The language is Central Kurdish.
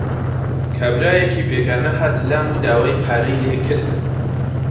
کابرایەکی بێگانە هاتە لام و داوای پارەی لێ کردم.